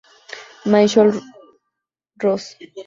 Michael Rose.